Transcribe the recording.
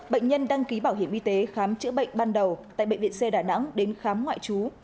bệnh nhân đăng ký bảo hiểm y tế khám chữa bệnh ban đầu tại bệnh viện c đà nẵng đến khám ngoại trú